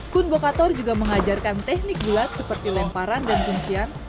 kun bokator juga mengajarkan teknik bulat seperti lemparan dan kuncian